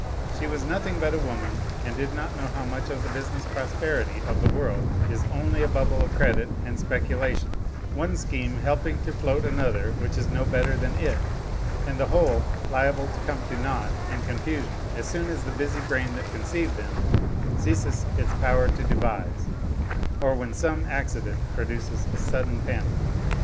She was nothing but a woman, and did not know how much of the business prosperity of the world is only a bubble of credit and speculation, one scheme helping to float another which is no better than it, and the whole liable to come to naught and confusion as soon as the busy brain that conceived them ceases its power to devise, or when some accident produces a sudden panic.